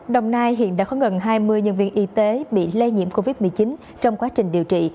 đồng nai hiện đã có gần hai mươi nhân viên y tế bị lây nhiễm covid một mươi chín trong quá trình điều trị